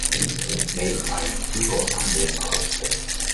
你唔係唔知嗰單野嘛？